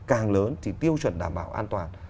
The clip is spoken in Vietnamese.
càng lớn thì tiêu chuẩn đảm bảo an toàn